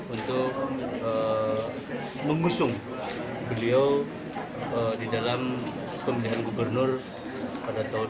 untuk mengusung beliau di dalam pemilihan gubernur pada tahun dua ribu dua puluh